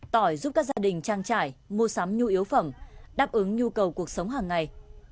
tỏi giúp các gia đình trang trải mua sắm nhu yếu phẩm đáp ứng nhu cầu cuộc sống hàng ngày